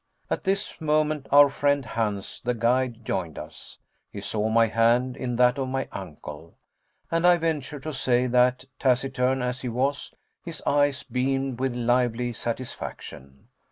At this moment our friend Hans, the guide, joined us. He saw my hand in that of my uncle, and I venture to say that, taciturn as he was, his eyes beamed with lively satisfaction.